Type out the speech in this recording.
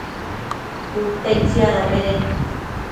cute tsiadobeded